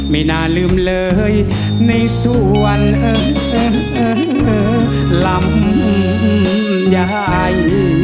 ไม่น่าลืมเลยในสวนลำใหญ่